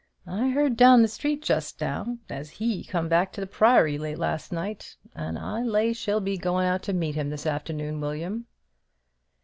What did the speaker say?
"I heard down the street just now, as he come back to the Priory late last night, and I'll lay she'll be goin' out to meet him this afternoon, William."